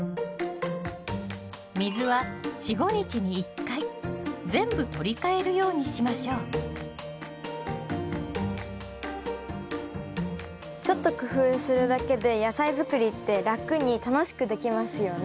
水は４５日に１回全部取り替えるようにしましょうちょっと工夫するだけで野菜づくりって楽に楽しくできますよね。